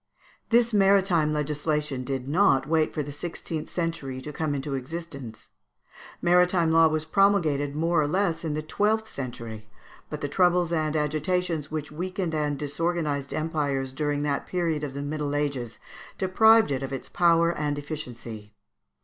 This maritime legislation did not wait for the sixteenth century to come into existence. Maritime law was promulgated more or less in the twelfth century, but the troubles and agitations which weakened and disorganized empires during that period of the Middle Ages, deprived it of its power and efficiency.